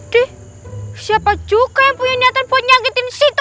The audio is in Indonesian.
dek siapa juga yang punya niatan buat nyangkitin situ